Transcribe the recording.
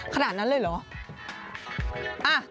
ขนาดนั้นเลยเหรอ